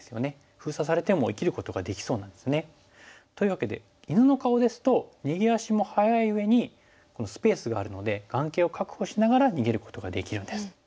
封鎖されても生きることができそうなんですね。というわけで犬の顔ですと逃げ足も速いうえにスペースがあるので眼形を確保しながら逃げることができるんです。